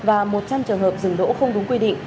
và một trăm linh trường hợp dừng đỗ không đúng quy định